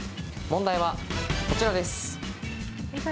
問題はこちらです。